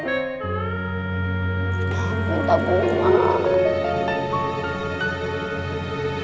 tidak tidak mungkin